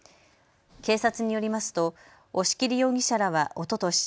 警察によりますと押切容疑者らはおととし